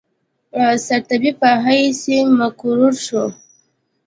سرطبیب په حیث مقرر شو.